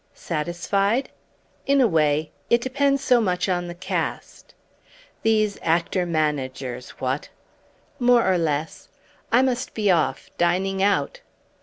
"Satisfied?" "In a way. It depends so much on the cast." "These actor managers what?" "More or less. I must be off. Dining out."